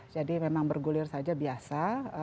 jadi memang bergulir saja biasa